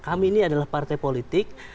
kami ini adalah partai politik